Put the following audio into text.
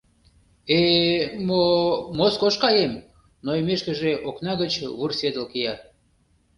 Э-э, мо-о, Москош каем... — нойымешкыже окна гыч вурседыл кия...